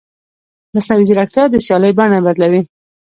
مصنوعي ځیرکتیا د سیالۍ بڼه بدلوي.